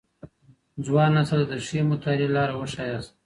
ځوان نسل ته د ښې مطالعې لاره وښاياست.